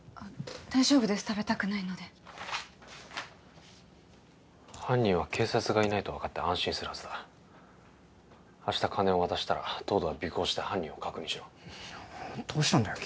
大丈夫です食べたくないので犯人は警察がいないと分かって安心するはずだ明日金を渡したら東堂は尾行して犯人を確認しろどうしたんだよ